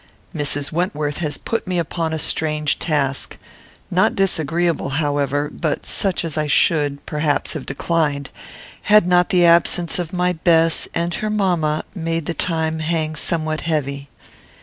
"Mrs. Wentworth has put me upon a strange task, not disagreeable, however, but such as I should, perhaps, have declined, had not the absence of my Bess, and her mamma, made the time hang somewhat heavy.